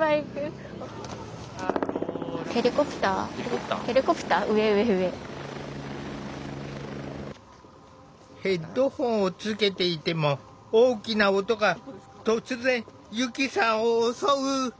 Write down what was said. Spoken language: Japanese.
できるだけヘッドホンをつけていても大きな音が突然ゆきさんを襲う！